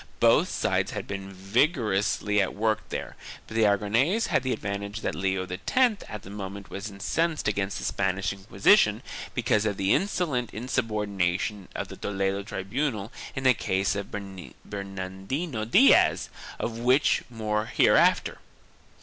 Both sides had been vigorously at work there, but the Aragonese had the advantage that Leo X at the moment was incensed against the Spanish Inquisition because of the insolent insubordination of the Toledo tribunal in the case of Bernardino Diaz, of which more hereafter.